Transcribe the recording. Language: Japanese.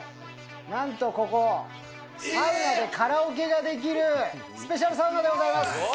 なんとここ、サウナでカラオケができる、スペシャルサウナですごい。